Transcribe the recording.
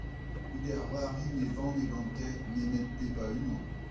Goude ar c'hoari ne vane gante nemet pep a unan.